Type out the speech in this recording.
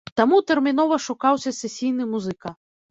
Таму тэрмінова шукаўся сесійны музыка.